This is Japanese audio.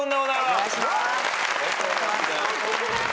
お願いします。